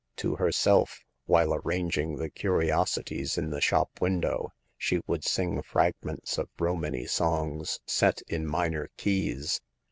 To herself, while arranging the curios ities in the shop window, she would sing frag ments of Romany songs set in minor keys.